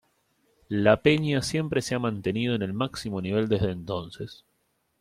La peña siempre se ha mantenido en el máximo nivel desde entonces.